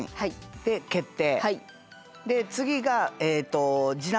で「決定」。